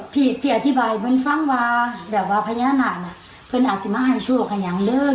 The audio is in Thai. พี่พี่อธิบายเพื่อนฟังว่าแบบว่าพญานาคเพื่อนอาจจะมาให้โชคก็ยังเดิน